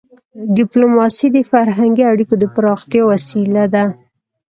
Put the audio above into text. ډيپلوماسي د فرهنګي اړیکو د پراختیا وسیله ده.